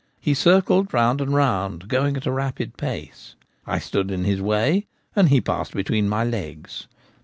He circled round and round, going at a rapid pace. I stood in his way, and he passed between my legs.